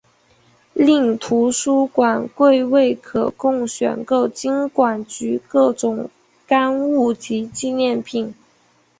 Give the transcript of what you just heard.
另图书馆柜位可供选购金管局各种刊物及纪念品。